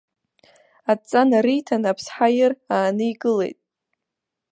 Адҵа нариҭан, аԥсҳа ир ааникылеит.